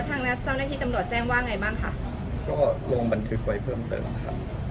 ทางแล้วเจ้าหน้าที่ตำรวจแจ้งว่าไงบ้างคะก็ลงบันทึกไว้เพิ่มเติมนะครับ